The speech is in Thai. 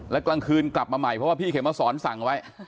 แล้วกลางคืนกลับมาใหม่เพราะว่าพี่เขมสอนสั่งไว้